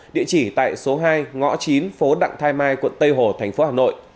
địa chỉ tại số hai ngõ chín phố đặng thai mai quận tây hồ tp hà nội